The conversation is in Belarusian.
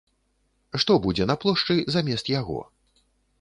Што будзе на плошчы замест яго?